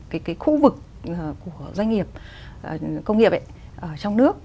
cái khu vực của doanh nghiệp công nghiệp trong nước